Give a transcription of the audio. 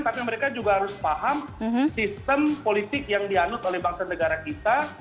tapi mereka juga harus paham sistem politik yang dianut oleh bangsa negara kita